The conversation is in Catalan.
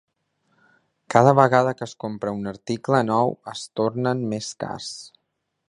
Cada vegada que es compra un article nou es tornen més cars.